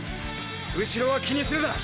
うしろは気にするな。